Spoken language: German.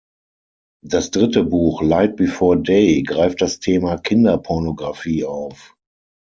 Das dritte Buch "Light Before Day" greift das Thema Kinderpornografie auf.